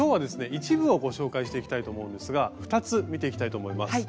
一部をご紹介していきたいと思うんですが２つ見ていきたいと思います。